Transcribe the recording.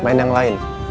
main yang lain